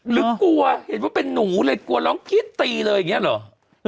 หรือกลัวเห็นว่าเป็นหนูเลยกลัวร้องกรี๊ดตีเลยอย่างนี้เหรอ